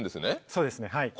そうですねはい。